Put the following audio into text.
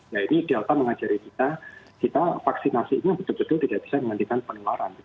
jadi delta mengajari kita kita vaksinasi ini betul betul tidak bisa mengantikan penularan